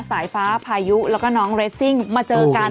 สายฟ้าพายุแล้วก็น้องเรสซิ่งมาเจอกัน